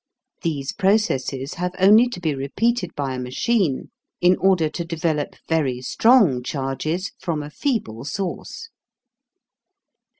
These processes have only to be repeated by a machine in order to develop very strong charges from a feeble source.